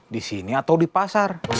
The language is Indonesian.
di sini atau di pasar